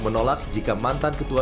menolak jika mantan ketua